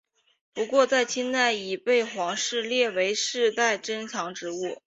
不过在清代已被皇室列为世代珍藏之物。